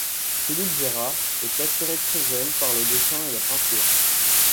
Philippe Gérard est attiré très jeune par le dessin et la peinture.